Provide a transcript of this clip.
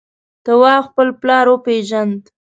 تواب خپل پلار وپېژند.